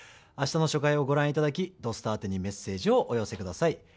あしたの初回をご覧いただき「土スタ」宛にメッセージをお寄せください。